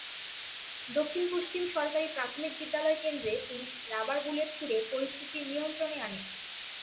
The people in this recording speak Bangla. দক্ষিণ-পশ্চিম সরকারি প্রাথমিক বিদ্যালয় কেন্দ্রে পুলিশ রাবার বুলেট ছুড়ে পরিস্থিতি নিয়ন্ত্রণে আনে।